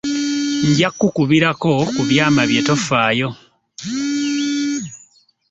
Nja kukubbirako ku byama bye tofaayo.